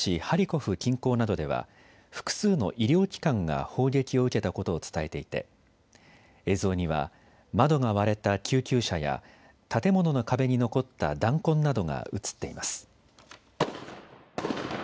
ハリコフ近郊などでは複数の医療機関が砲撃を受けたことを伝えていて映像には窓が割れた救急車や建物の壁に残った弾痕などが映っています。